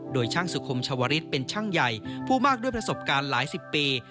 โดยช่างสุคมชาวริสเป็นช่างใหญ่ผู้มากด้วยประสบการณ์หลายสิบปี